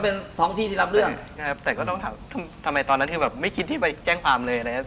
ก็ต้องถามทุกคนทำไมไม่คิดทไปแจ้งความ